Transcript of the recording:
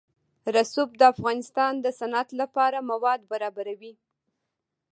رسوب د افغانستان د صنعت لپاره مواد برابروي.